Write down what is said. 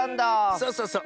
そうそうそう。